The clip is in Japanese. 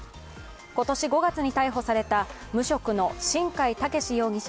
今年５月に逮捕された無職の新海健士容疑者